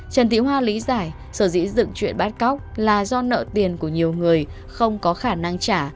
trần thị hoa lý giải sở dĩ dựng chuyện bắt cóc là do nợ tiền của nhiều người không có khả năng trả